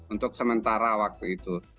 untuk sementara waktu itu